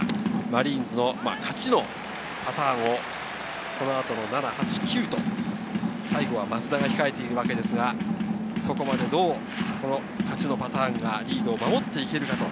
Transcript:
マリーンズの勝ちのパターンを７・８・９と最後は益田が控えているわけですが、どう勝ちのパターンがリードを守っていけるか？